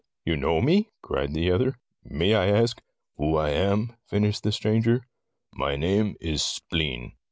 You know me?" cried the other. "May I ask" — "Who I am?" finished the stranger. "My name is Spleen.